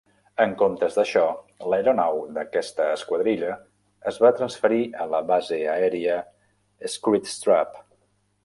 En comptes d'això, l'aeronau d'aquesta esquadrilla es va transferir a la base aèria Skrydstrup.